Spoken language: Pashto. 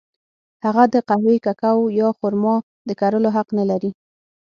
هغه د قهوې، کوکو یا خرما د کرلو حق نه لري.